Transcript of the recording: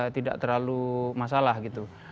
tidak terlalu masalah gitu